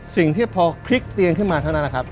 สิ่งที่พอพลิกเตียงขึ้นมาเท่านั้นแหละครับ